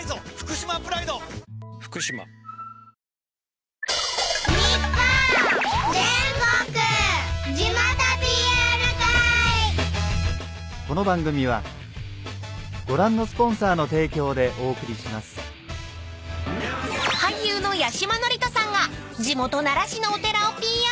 料理や食器洗いに［俳優の八嶋智人さんが地元奈良市のお寺をＰＲ］